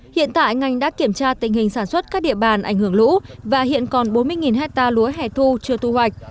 hiện tại ngành đã kiểm tra tình hình sản xuất các địa bàn ảnh hưởng lũ và hiện còn bốn mươi hectare lúa hẻ thu chưa thu hoạch